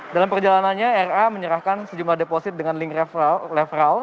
dalam perjalanannya ra menyerahkan sejumlah deposit dengan link leverall